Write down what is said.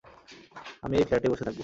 আমি এই ফ্ল্যাটেই বসে থাকব।